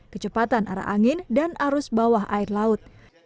kecepatan arah angin dan arus bawah air laut